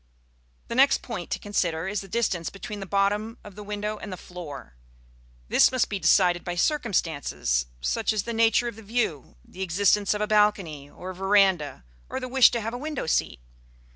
The next point to consider is the distance between the bottom of the window and the floor. This must be decided by circumstances, such as the nature of the view, the existence of a balcony or veranda, or the wish to have a window seat.